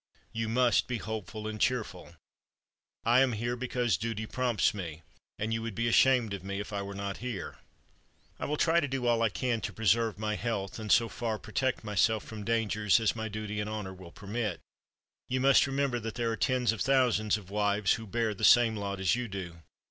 You must be hopeful and cheerful. I am here because duty prompts me, and you would be ashamed of me if I were not here. "I will try to do all I can to preserve my health and so far protect myself from dangers as my duty and honor will permit. You must remember that there are tens of thousands of wives who bear the same lot as you do.